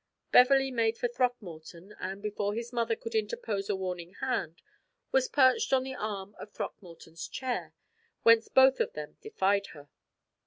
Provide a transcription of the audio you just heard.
Beverley made for Throckmorton, and, before his mother could interpose a warning hand, was perched on the arm of Throckmorton's chair, whence both of them defied her.